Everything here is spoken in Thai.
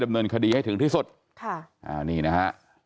แบบนี้นะฮะ